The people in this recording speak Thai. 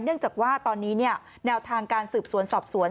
เนื่องจากว่าตอนนี้แนวทางการสืบสวนสอบสวน